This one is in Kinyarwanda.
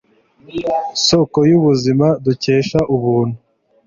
soko y'ubuzima dukesha ubuntu